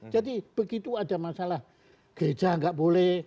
jadi begitu ada masalah gereja tidak boleh